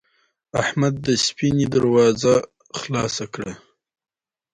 احمد د سفینې دروازه خلاصه کړه.